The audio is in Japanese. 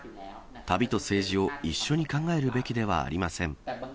旅と政治を一緒に考えるべきではありません。